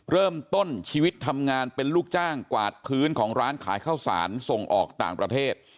เริ่มต้นชีวิตทำงานเป็นลูกจ้างกวาดพื้นของร้านขายข้าวสารส่งออกต่างประเทศ